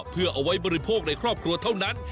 เพื่อเอาไว้บริโภคในครอบครัวเท่านั้น